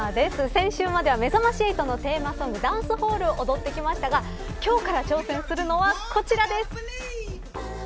先週まではめざまし８のテーマソングダンスホールを踊ってきましたが今日から挑戦するのはこちらです。